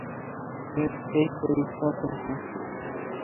এই, ও কল করেছে!